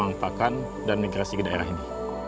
mungkin hari mau ini kekurang pakan dan migrasi ke daerah ini